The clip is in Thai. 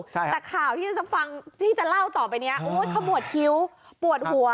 แต่ข่าวที่จะฟังที่จะเล่าต่อไปนี้เขาปวดคิ้วปวดหัว